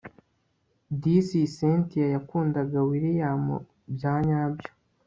disi cyntia yakundaga william byanyabyo